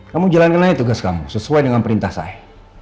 kamu jalankan aja tugas kamu sesuai dengan perintah saya